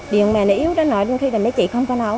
điện này yếu đó nói nhưng khi chạy không có nào